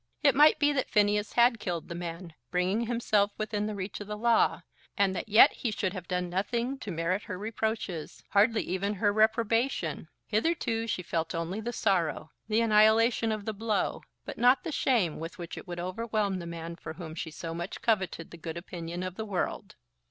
It might be that Phineas had killed the man, bringing himself within the reach of the law, and that yet he should have done nothing to merit her reproaches; hardly even her reprobation! Hitherto she felt only the sorrow, the annihilation of the blow; but not the shame with which it would overwhelm the man for whom she so much coveted the good opinion of the world.